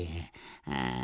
ああ。